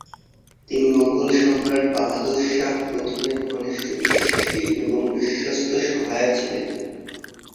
তিনি মোগল সম্রাট বাহাদুর শাহ প্রথমের ঘনিষ্ঠ বিশ্বাসী এবং বিশ্বস্ত সহায় ছিলেন।